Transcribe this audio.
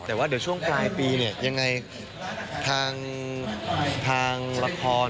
แต่ว่าเดี๋ยวช่วงปลายปียังไงทางราคอล